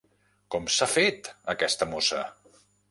Com s'ha fet, aquesta mossa!